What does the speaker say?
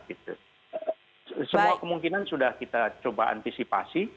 itu semua kemungkinan sudah kita coba antisipasi